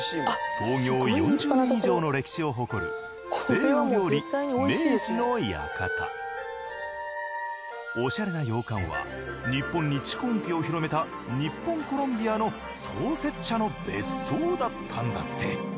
創業４０年以上の歴史を誇るおしゃれな洋館は日本に蓄音機を広めた日本コロムビアの創設者の別荘だったんだって。